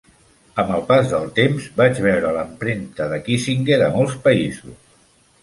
Amb el pas del temps vaig veure l'empremta de Kissinger a molts països.